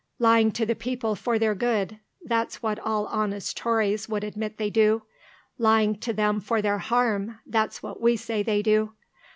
Lying to the people for their good that's what all honest Tories would admit they do. Lying to them for their harm that's what we say they do.